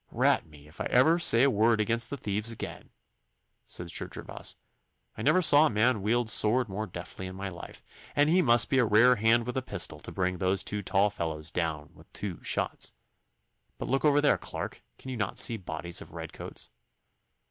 'Rat me, if I ever say a word against the thieves again!' said Sir Gervas. 'I never saw a man wield sword more deftly in my life, and he must be a rare hand with a pistol to bring those two tall fellows down with two shots. But look over there, Clarke! Can you not see bodies of red coats?